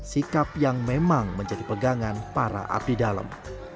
sikap yang memang menjadi pegangan para abdi dalam